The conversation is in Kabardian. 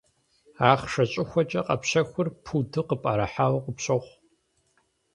Ахъшэ щӏыхуэкӏэ къэпщэхур пуду къыпӏэрыхьауэ къыпщохъу.